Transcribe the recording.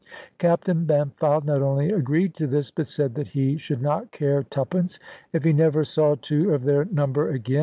Captain Bampfylde not only agreed to this, but said that he should not care twopence if he never saw two of their number again.